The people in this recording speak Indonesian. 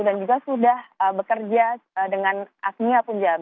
dan juga sudah bekerja dengan agnia punjab